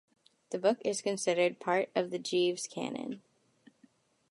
The book is considered part of the Jeeves canon.